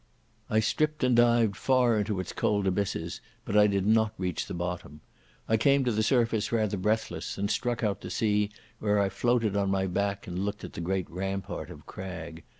I stripped and dived far into its cold abysses, but I did not reach the bottom. I came to the surface rather breathless, and struck out to sea, where I floated on my back and looked at the great rampart of crag.